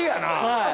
はい。